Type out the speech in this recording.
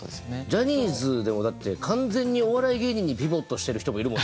ジャニーズでもだって完全にお笑い芸人にピボットしてる人もいるもん。